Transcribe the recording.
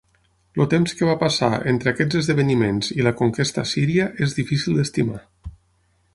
El temps que va passar entre aquests esdeveniments i la conquesta assíria és difícil d'estimar.